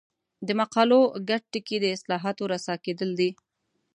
د مقالو ګډ ټکی د اصطلاحاتو رسا کېدل دي.